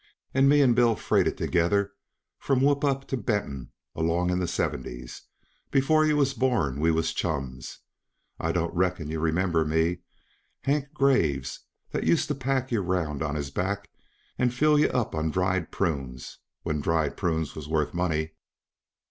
And me and Bill freighted together from Whoop up to Benton along in the seventies. Before yuh was born we was chums. I don't reckon you'd remember me? Hank Graves, that used to pack yuh around on his back, and fill yuh up on dried prunes when dried prunes was worth money?